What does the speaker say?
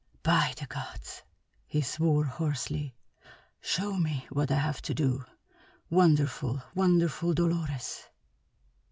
"By the gods!" he swore hoarsely, "show me what I have to do. Wonderful, wonderful Dolores!"